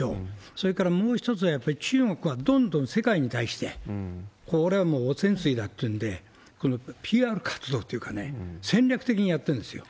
それからもう一つは、やっぱり中国はどんどん世界に対して、これはもう汚染水だっていうんで、このＰＲ活動というかね、戦略的にやってるんですよ。